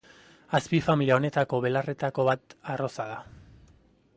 Azpifamilia honetako belarretako bat arroza da.